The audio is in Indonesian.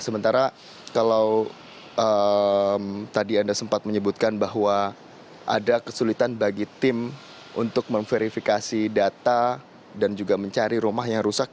sementara kalau tadi anda sempat menyebutkan bahwa ada kesulitan bagi tim untuk memverifikasi data dan juga mencari rumah yang rusak